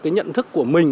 cái nhận thức của mình